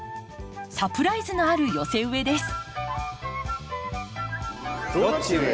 サプライズのある寄せ植えです。